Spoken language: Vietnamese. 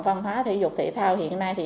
văn hóa thể dục thị thao hiện nay